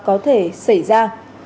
có thể xảy ra